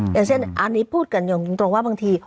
อย่างเช่นอันนี้พูดกันอย่างจริงตรงว่าบางที